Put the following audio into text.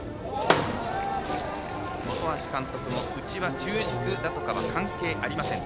本橋監督のうちは中軸だとかは関係ありません。